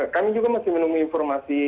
kami juga masih menunggu informasi